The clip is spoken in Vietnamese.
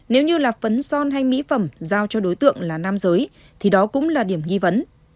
nếu như là phấn son hay mỹ phẩm giao cho đối tượng là nam giới thì đó cũng là điểm nghi vấn